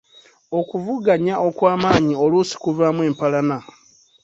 Okuvuganya okw’amaanyi oluusi kuvaamu empalana.